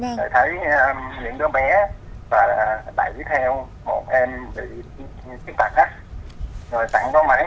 để thấy những đứa bé và đại viết theo một em bị chết bạc á